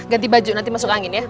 ganti baju nanti masuk angin ya